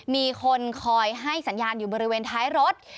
มีคนคอยให้สัญญาณอยู่บริเวณท้ายรถ